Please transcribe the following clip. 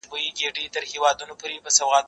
هغه وويل چي موبایل کارول مهم دي؟!